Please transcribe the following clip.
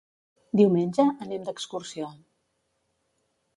Diumenge anem d'excursió.